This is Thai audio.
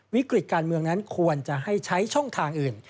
วิกฤติการเมืองนั้นควรจะให้ใช้ช่องทางอื่น